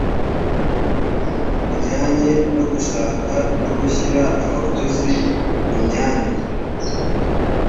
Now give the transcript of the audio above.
bujyanye no gushaka no gushyira abakozi mu myanya